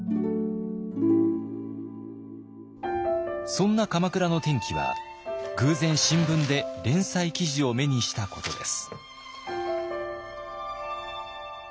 そんな鎌倉の転機は偶然新聞で連載記事を目にしたことです。